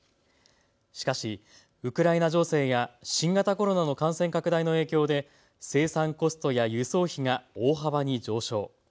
しかしウクライナ情勢や新型コロナの感染拡大の影響で生産コストや輸送費が大幅に上昇。